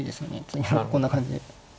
次はこんな感じで。